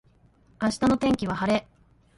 明日の天気は晴れ。